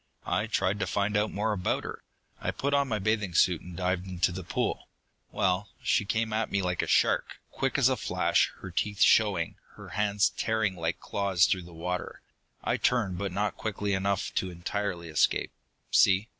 "I tried to find out more about her. I put on my bathing suit and dived into the pool. Well, she came at me like a shark, quick as a flash, her teeth showing, her hands tearing like claws through the water. I turned, but not quickly enough to entirely escape. See?"